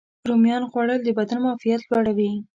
رومیانو خوړل د بدن معافیت لوړوي.